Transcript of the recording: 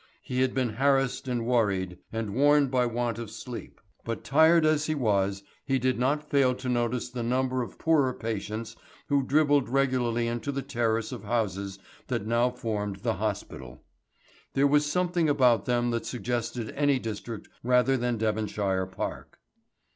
He had been harassed and worried and worn by want of sleep, but tired as he was he did not fail to notice the number of poorer patients who dribbled regularly into the terrace of houses that now formed the hospital. There was something about them that suggested any district rather than Devonshire Park.